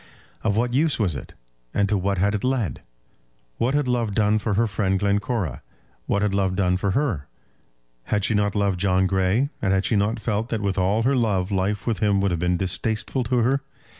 Of what use was it, and to what had it led? What had love done for her friend Glencora? What had love done for her? Had she not loved John Grey, and had she not felt that with all her love life with him would have been distasteful to her?